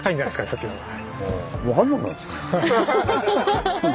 そっちのほうが。